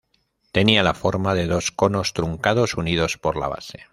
Tenía la forma de dos conos truncados unidos por la base.